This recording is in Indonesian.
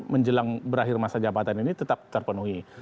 menjelang berakhir masa jabatan ini tetap terpenuhi